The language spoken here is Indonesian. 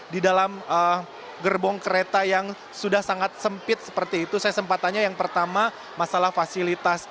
di dalam gerbong kereta yang sudah sangat sempit seperti itu saya sempat tanya yang pertama masalah fasilitas